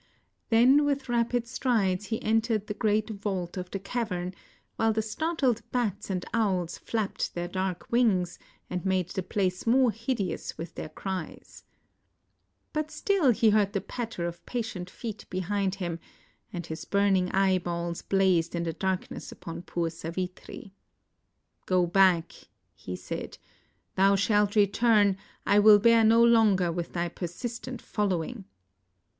Then with rapid strides he entered the great vault of the cavern, while the startled bats and owls flapped their dark wings and made the place more hideous with their cries. But still he heard the patter of patient feet behind him, and his burning eyeballs blazed in the darkness upon poor Sa\dtri. "Go back," he said. "Thou shalt return; I vd]l bear no longer with thy persistent following!"